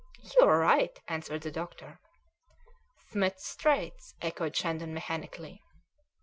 "You are right," answered the doctor. "Smith's Straits?" echoed Shandon mechanically.